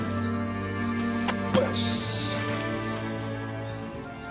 よし！